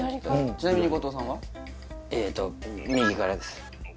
ちなみに後藤さんは？えーと右からです